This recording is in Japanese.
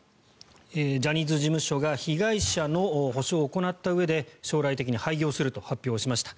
ジャニーズ事務所が被害者の補償を行ったうえで将来的に廃業すると発表しました。